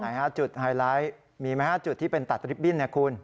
ไหนฮะจุดไฮไลท์มีไหมฮะจุดที่เป็นตัดลิฟตบิ้นเนี่ยคุณ